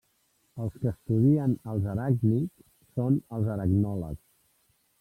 Els que estudien els aràcnids són els aracnòlegs.